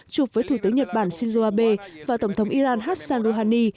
chụp với thủ tướng nhật bản shinzo abe và tổng thống iran hassan rouhani